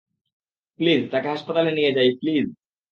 Please, তাকে হাসপাতালে নিয়ে যাই, প্লিজ?